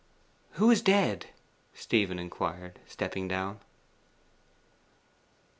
'Who is dead?' Stephen inquired, stepping down.